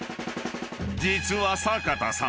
［実は坂田さん